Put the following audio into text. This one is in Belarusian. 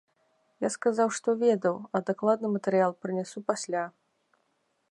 Я сказаў, што ведаў, а дакладны матэрыял прынясу пасля.